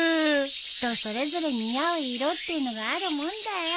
人それぞれ似合う色ってのがあるもんだよ。